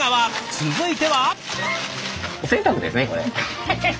続いては？